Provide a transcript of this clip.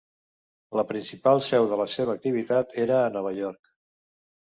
La principal seu de la seva activitat era a Nova York.